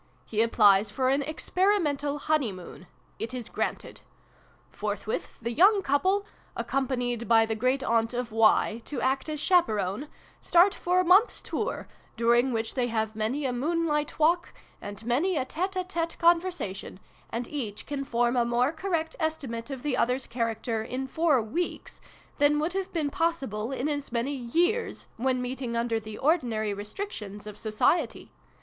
He applies for an Experimental Honeymoon. It is granted. Forthwith the young couple accompanied by the great aunt of K, to act as chaperone start for a month's tour, during which they have many a moonlight walk, and many a tete a tete conversation, and each can ix] THE FAREWELL PARTY. 137 form a more correct estimate of the other's character, in four weeks, than would have been possible in as many years, when meeting under the ordinary restrictions of Society.